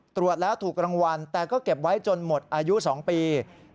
ตรวจแล้วถูกรางวัลแต่ก็เก็บไว้จนหมดอายุ๒ปี